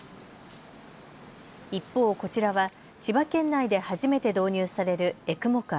一方、こちらは千葉県内で初めて導入されるエクモカー。